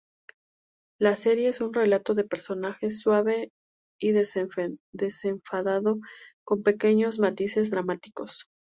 La serie es un relato de personajes suave y desenfadado con pequeños matices dramáticos.